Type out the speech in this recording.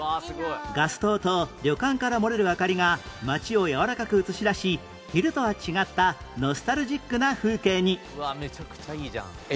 ガス灯と旅館から漏れる明かりが町をやわらかく映し出し昼とは違ったノスタルジックな風景に